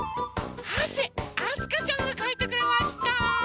はせあすかちゃんがかいてくれました。